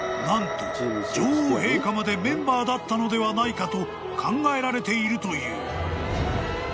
［何と女王陛下までメンバーだったのではないかと考えられているという］